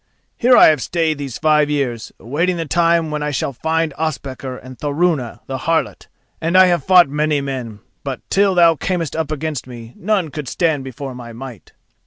Here I have stayed these five years, awaiting the time when I shall find Ospakar and Thorunna the harlot, and I have fought many men, but, till thou camest up against me, none could stand before my might."